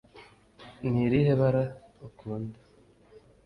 ni irihe bara ukunda ?